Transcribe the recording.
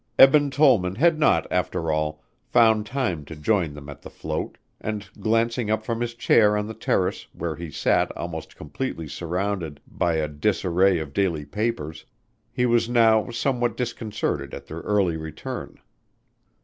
Eben Tollman had not after all found time to join them at the float, and glancing up from his chair on the terrace where he sat almost completely surrounded by a disarray of daily papers, he was now somewhat disconcerted at their early return.